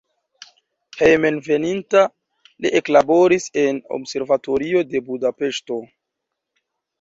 Hejmenveninta li eklaboris en observatorio de Budapeŝto.